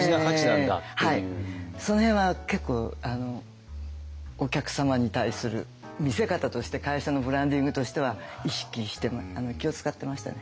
その辺は結構お客様に対する見せ方として会社のブランディングとしては意識して気を遣ってましたね。